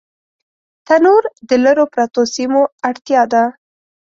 تنور د لرو پرتو سیمو اړتیا ده